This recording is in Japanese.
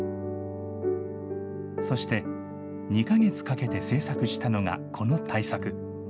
そして、２か月かけて制作したのがこの大作。